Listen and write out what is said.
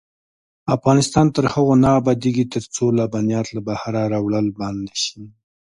افغانستان تر هغو نه ابادیږي، ترڅو لبنیات له بهره راوړل بند نشي.